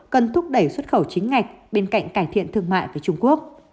cần thúc đẩy xuất khẩu chính ngạch bên cạnh cải thiện thương mại với trung quốc